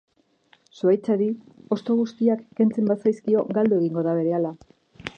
Zuhaitzari hosto guztiak kentzen bazaizkio, galdu egingo da berehala.